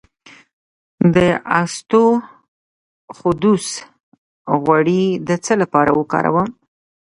د اسطوخودوس غوړي د څه لپاره وکاروم؟